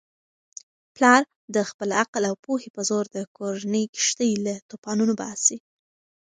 پلارد خپل عقل او پوهې په زور د کورنی کښتۍ له توپانونو باسي.